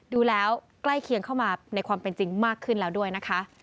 ดูแล้วใกล้เคียงเข้ามาในความเป็นจริงมากขึ้นแล้วด้วยนะคะ